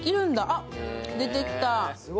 あっ、出てきた。